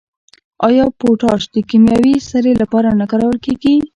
آیا پوټاش د کیمیاوي سرې لپاره نه کارول کیږي؟